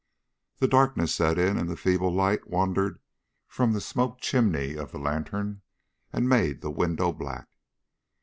The darkness set in, and the feeble light wandered from the smoked chimney of the lantern and made the window black.